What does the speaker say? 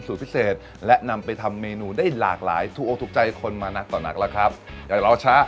พิเศษและนำไปทำเมนูได้หลากหลายถูกออกถูกใจคนมานักต่อนักแล้วครับอย่ารอช้า